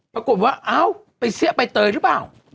ปรากฏว่าเอ้าไปเสี้ยใบเตยหรือเปล่า